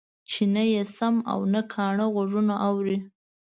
چې نه يې سم او نه کاڼه غوږونه اوري.